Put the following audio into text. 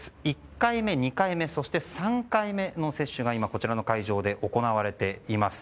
１回目、２回目そして３回目の接種が今、こちらの会場で行われています。